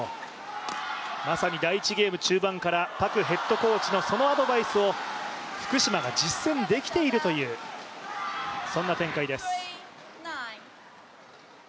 まさに第１ゲーム中盤からパクヘッドコーチからの指示を福島が実践できているというそんな展開です。